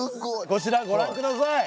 こちらごらんください。